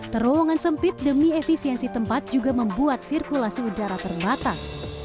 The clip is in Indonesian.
terowongan sempit demi efisiensi tempat juga membuat sirkulasi udara terbatas